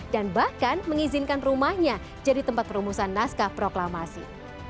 dan bahkan mengizinkan rumahnya jadi tempat perumusan naskah proklamasi